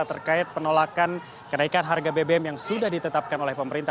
terkait penolakan kenaikan harga bbm yang sudah ditetapkan oleh pemerintah